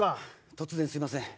突然すみません。